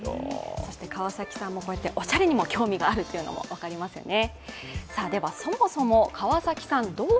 川崎さんもおしゃれにも興味があるというのも分かりますよね。